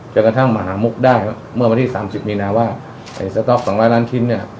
จนกระทั่งมหามุกได้เมื่อมาที่สามสิบมีนาว่าไอ้สต๊อกสองร้อยล้านชิ้นเนี่ย